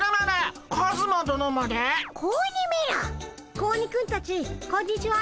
子鬼くんたちこんにちは。